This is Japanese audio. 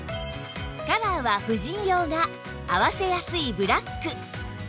カラーは婦人用が合わせやすいブラック